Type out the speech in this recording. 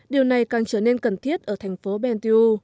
điều này càng trở nên cần thiết ở thành phố ben tiu